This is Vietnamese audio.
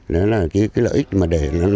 đó là cái lợi ích mà để